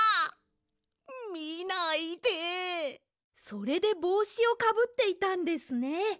それでぼうしをかぶっていたんですね。